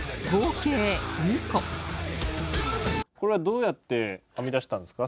これはどうやって編み出したんですか？